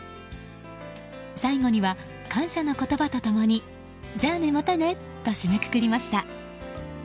最後には、感謝の言葉と共にじゃあね、またねと締めくくりました。